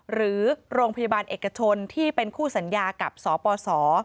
หรือโรงพยาบาลเอกชนที่เป็นคู่สัญญากับสปส